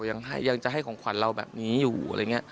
ยังจะให้ของขวัญเราแบบนี้อยู่